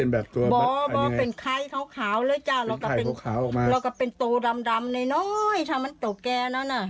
นันจะเป็นตัวดำนัย